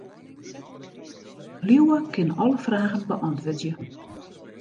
Liuwe kin alle fragen beäntwurdzje.